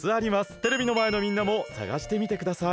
テレビのまえのみんなもさがしてみてください。